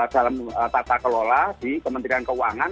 dalam tata kelola di kementerian keuangan